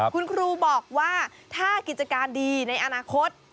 คุณครูบอกว่าถ้ากิจการดีในอนาคต